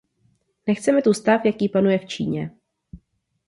Nechceme tu stav, jaký panuje v Číně.